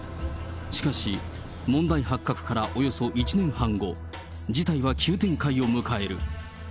しかし、問題発覚からおよそ１年半後、事態は急展開を迎える。